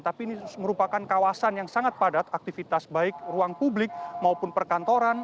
tapi ini merupakan kawasan yang sangat padat aktivitas baik ruang publik maupun perkantoran